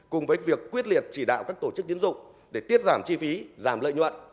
cùng với việc quyết liệt chỉ đạo các tổ chức tiến dụng để tiết giảm chi phí giảm lợi nhuận